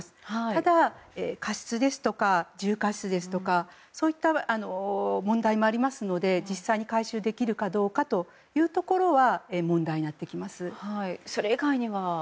ただ、過失ですとか重過失ですとかそういった問題もありますので実際に回収できるかどうかというところはそれ以外には？